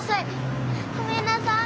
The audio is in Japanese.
ごめんなさい。